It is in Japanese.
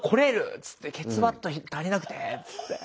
っつってケツバット足りなくてっつって。